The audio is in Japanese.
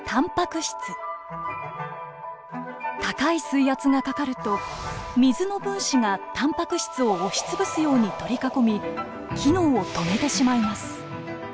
高い水圧がかかると水の分子がたんぱく質を押し潰すように取り囲み機能を止めてしまいます。